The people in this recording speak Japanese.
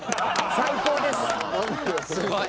最高です。